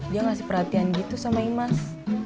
dia ngasih perhatian gitu sama imas